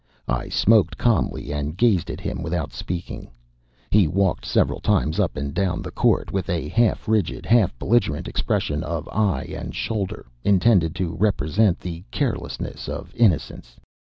I smoked calmly, and gazed at him without speaking. He walked several times up and down the court with a half rigid, half belligerent expression of eye and shoulder, intended to represent the carelessness of innocence.